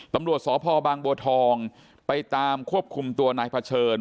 ตำรวจสพบางบัวทองไปตามควบคุมตัวนายเผชิญ